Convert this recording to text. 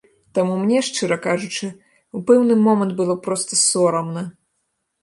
Таму мне, шчыра кажучы, у пэўны момант было проста сорамна.